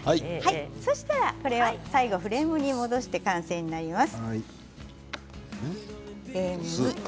最後フレームに戻して完成になります。